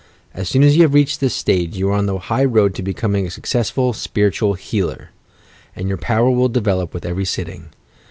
As soon as you have reached this stage, you are on the high road to becoming a successful "spiritual healer," and your power will develop with every sitting.